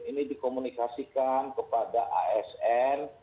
ini dikomunikasikan kepada asn